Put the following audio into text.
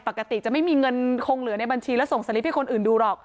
ปกติจะไม่มีเงินคงเหลือในบัญชีแล้วส่งสลิปให้คนอื่นดูหรอก